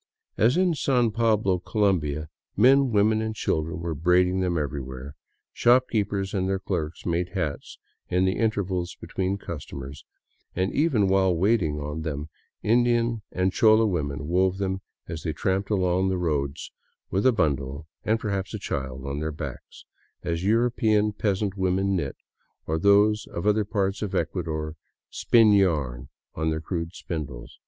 As in San Pablo, Colombia, men, women and children were braiding them everywhere; shopkeepers and their clerks made hats in the in tervals between customers, and even while waiting on them; Indian and chola women wove them as they tramped along the roads with a bundle, and perhaps a child, on their backs, as European peasant women knit, or those of other parts of Ecuador spin yarn on their crude spindles.